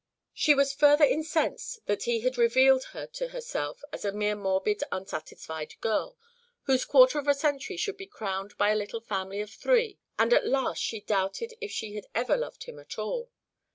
She was further incensed that he had revealed her to herself as a mere morbid unsatisfied girl, whose quarter of a century should be crowned by a little family of three; and at last she doubted if she had ever loved him at all.